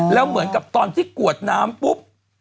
แล้วเหมือนกับตอนที่กวดน้ำปุ๊บ